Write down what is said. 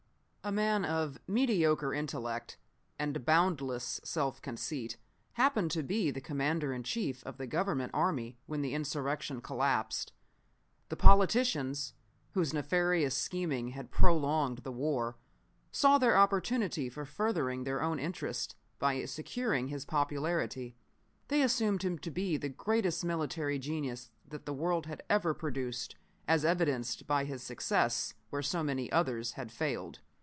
"A man of mediocre intellect and boundless self conceit happened to be the commander in chief of the government army when the insurrection collapsed. The politicians, whose nefarious scheming had prolonged the war, saw their opportunity for furthering their own interests by securing his popularity. They assumed him to be the greatest military genius that the world had ever produced; as evidenced by his success where so many others had failed.